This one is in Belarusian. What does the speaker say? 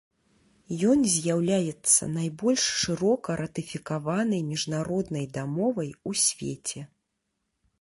Ён з'яўляецца найбольш шырока ратыфікаванай міжнароднай дамовай у свеце.